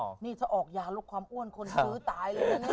นี่ถ้าออกยาลดความอ้วนคนซื้อตายเลยนะ